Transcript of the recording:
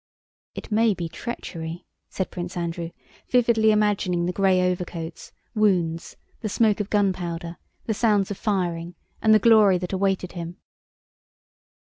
"It may be treachery," said Prince Andrew, vividly imagining the gray overcoats, wounds, the smoke of gunpowder, the sounds of firing, and the glory that awaited him.